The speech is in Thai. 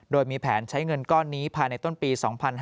โดยมีแผนใช้เงินก้อนนี้ภายในต้นปี๒๕๕๙